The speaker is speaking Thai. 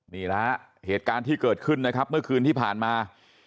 นี่แหละเหตุการณ์ที่เกิดขึ้นนะครับเมื่อคืนที่ผ่านมา